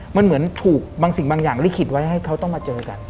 มันเหมือนถูกบางสิ่งบางอย่างลิขิตไว้ให้เขาต้องมาเจอกัน